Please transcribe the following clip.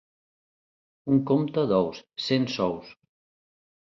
Un compte d'ous, cent sous.